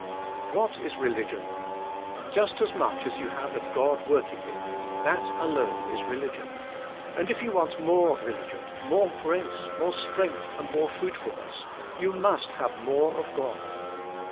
What is religion? Just as much as you have of God working in you, that alone is religion. And if you want more religion, more grace, more strength and more fruitfulness, you must have more of God.